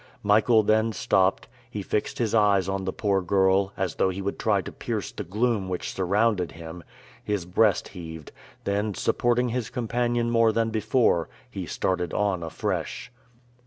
Michael then stopped, he fixed his eyes on the poor girl, as though he would try to pierce the gloom which surrounded him; his breast heaved; then, supporting his companion more than before, he started on afresh.